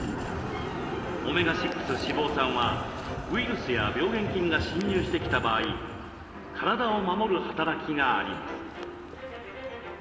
オメガ６脂肪酸はウイルスや病原菌が侵入してきた場合体を守る働きがあります。